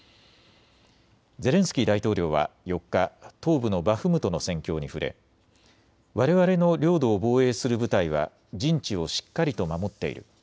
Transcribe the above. ゼレンスキー大統領は４日、東部のバフムトの戦況に触れわれわれの領土を防衛する部隊は陣地をしっかりと守っている。